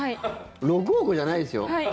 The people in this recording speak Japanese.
６億じゃないですよ？